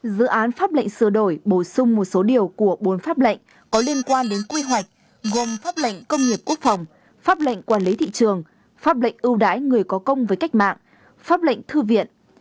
dự án pháp lệnh sửa đổi bổ sung một số điều của bốn pháp lệnh có liên quan đến quy hoạch gồm pháp lệnh công nghiệp quốc phòng pháp lệnh quản lý thị trường pháp lệnh ưu đãi người có công với cách mạng pháp lệnh thư viện